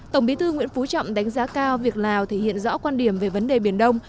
tổng bí thư nguyễn phú trọng đánh giá cao việc lào thể hiện rõ quan điểm về vấn đề biển đông